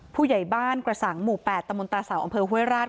ผู้ใหญ่บ้านกระสังหมู่๘ตมตาเสาอำเภอห้วยราช